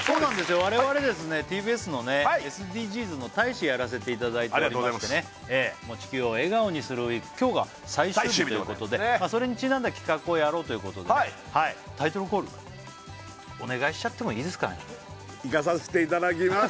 我々やらせていただいておりまして「地球を笑顔にするＷＥＥＫ」今日が最終日ということでまあそれにちなんだ企画をやろうということでねタイトルコールお願いしちゃってもいいですかねいかさせていただきます